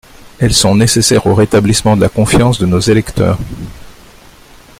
Elles sont nécessaires au rétablissement de la confiance de nos électeurs.